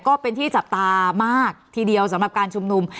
ก็เป็นที่จับตามากทีเดียวสำหรับการชุมนุม